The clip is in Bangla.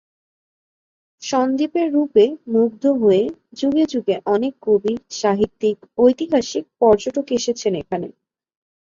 সন্দ্বীপের রূপে মুগ্ধ হয়ে যুগে যুগে অনেক কবি, সাহিত্যিক, ঐতিহাসিক, পর্যটক এসেছেন এখানে।